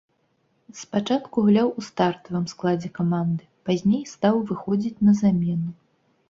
Спачатку гуляў у стартавым складзе каманды, пазней стаў выхадзіць на замену.